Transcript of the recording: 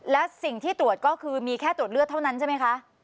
และสิ่งที่ตรวจก็คือมีแค่ตรวจเลือดเท่านั้นใช่ไหมคะ